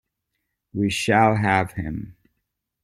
We shall have him.